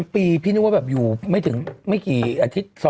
ปีพี่นึกว่าแบบอยู่ไม่ถึงไม่กี่อาทิตย์